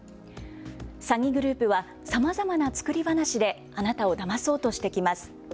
詐欺グループはさまざまな作り話であなたをだまそうとしてきます。